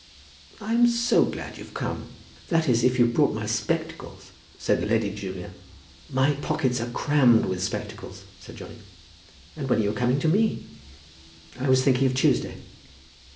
"I am so glad you've come, that is, if you've brought my spectacles," said Lady Julia. "My pockets are crammed with spectacles," said Johnny. "And when are you coming to me?" "I was thinking of Tuesday."